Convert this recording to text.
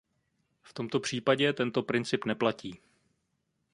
V tomto případě tento princip neplatí.